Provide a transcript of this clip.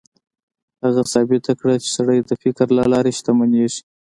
هغه ثابته کړه چې سړی د فکر له لارې شتمنېږي.